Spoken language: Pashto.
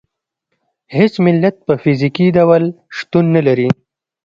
هېڅ ملت په فزیکي ډول شتون نه لري.